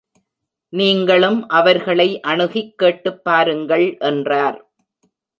நீங்களும் அவர்களை அணுகிக் கேட்டுப் பாருங்கள் என்றார்.